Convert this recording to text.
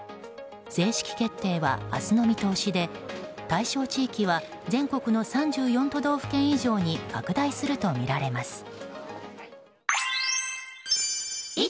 正式決定は明日の見通しで対象地域は全国の３４都道府県以上に拡大するとみられます。